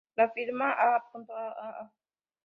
La firma "A.a.a.a.